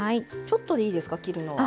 ちょっとでいいですか切るのは。